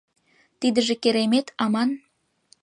Тидыже Керемет аман.